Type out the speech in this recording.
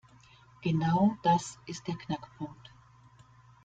Genau das ist der Knackpunkt.